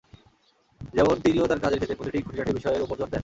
যেমন তিনিও তাঁর কাজের ক্ষেত্রে প্রতিটি খুঁটিনাটি বিষয়ের ওপর জোর দেন।